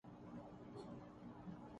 جیسے میرے بچے چاہتے ہیں۔